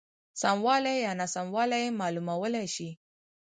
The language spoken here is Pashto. سموالی یا ناسموالی یې معلومولای شي.